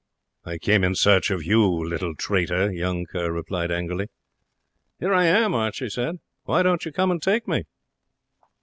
"I came in search of you, little traitor," young Kerr replied angrily. "Here I am," Archie said; "why don't you come and take me?"